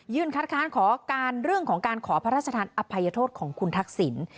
คัดค้านขอการเรื่องของการขอพระราชทานอภัยโทษของคุณทักษิณ